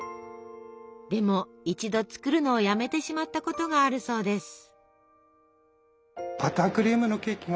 でも一度作るのをやめてしまったことがあるそうです。